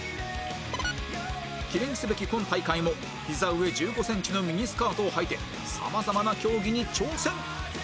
記念すべき今大会も膝上１５センチのミニスカートをはいてさまざまな競技に挑戦